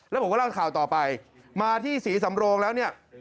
แล้วผมก็เล่าข่าวต่อไปมาที่ศรีสำโรงแล้วเนี่ย